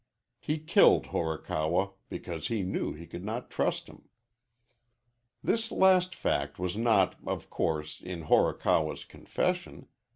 He killed Horikawa because he knew he could not trust him. This last fact was not, of course, in Horikawa's confession.